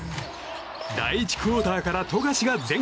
第１クオーターから富樫が全開！